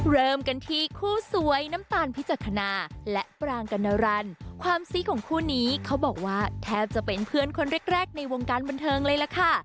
เริ่มกันที่คู่สวยน้ำตาลพิจักษณาและปรางกัณรันความซี่ของคู่นี้เขาบอกว่าแทบจะเป็นเพื่อนคนแรกแรกในวงการบันเทิงเลยล่ะค่ะ